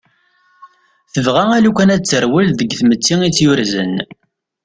Tebɣa alukan ad terwel deg tmetti itt-yurzen.